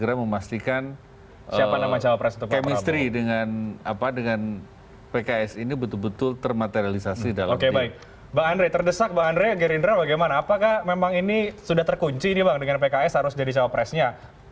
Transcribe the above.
oke baik mbak andre terdesak mbak andre gerindra bagaimana apakah memang ini sudah terkunci dengan pks harus jadi cawapresnya